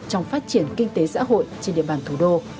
trong phát triển kinh tế xã hội trên địa bàn thủ đô